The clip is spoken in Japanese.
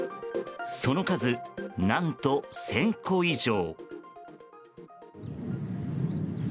その数、何と１０００個以上。